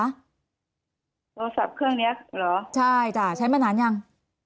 โทรศัพท์เครื่องนี้เหรอใช่จ้ะใช้มานานยัง